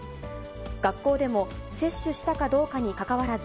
学校でも接種したかどうかにかかわらず、